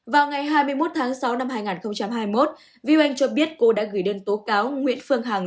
vào ngày hai mươi một tháng sáu năm hai nghìn hai mươi một vi oanh cho biết cô đã gửi đơn tố cáo nguyễn phương hằng